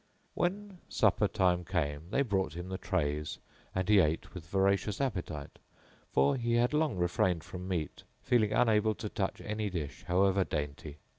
When supper time came they brought him the trays and he ate with voracious appetite, for he had long refrained from meat, feeling unable to touch any dish however dainty.